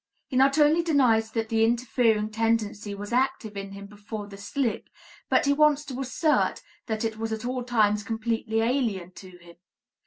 He not only denies that the interfering tendency was active in him before the slip, but he wants to assert that it was at all times completely alien to him.